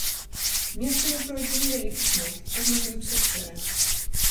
Месцамі пройдзе невялікі снег, прагназуецца шэрань.